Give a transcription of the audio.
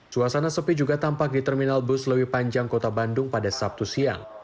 suasana sepi juga tampak di terminal bus lewi panjang kota bandung pada sabtu siang